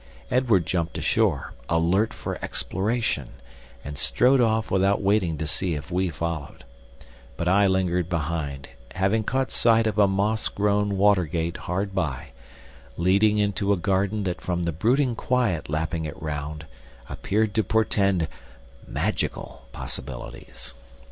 Edward jumped ashore, alert for exploration, and strode off without waiting to see if we followed; but I lingered behind, having caught sight of a moss grown water gate hard by, leading into a garden that from the brooding quiet lapping it round, appeared to portend magical possibilities.